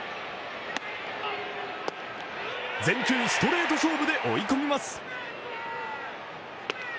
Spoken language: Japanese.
全球ストレート勝負で追い込みます。